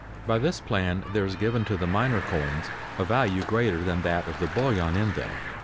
By this plan there is given to the minor coins a value greater than that of the bullion in them.